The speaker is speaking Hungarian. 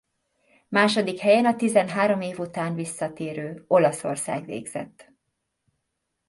Második helyen a tizenhárom év után visszatérő Olaszország végzett.